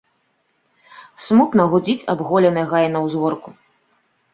Смутна гудзіць абголены гай на ўзгорку.